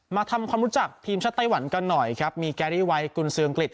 มาทำความรู้จักทีมชาติไต้หวันกันหน่อยครับมีแกรี่ไวกุญซืออังกฤษ